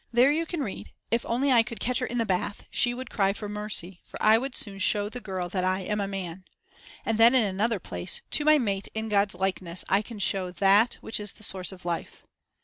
There you can read: if only I could catch her in the bath, she would cry for mercy, for I would soon show the girl that I am a man. And then in another place: "To my mate in God's likeness I can show that which is the source of life."